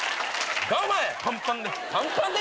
パンパンで。